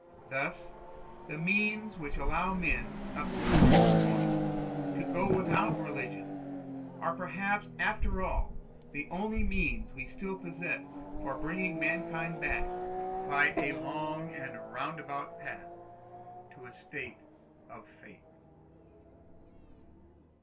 Thus the means which allow men, up to a certain point, to go without religion, are perhaps after all the only means we still possess for bringing mankind back by a long and roundabout path to a state of faith.